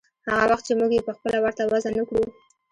هغه وخت چې موږ يې پخپله ورته وضع نه کړو.